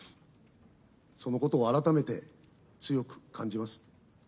そのことを改めて強く感じます。